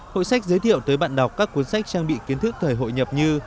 hội sách giới thiệu tới bạn đọc các cuốn sách trang bị kiến thức thời hội nhập như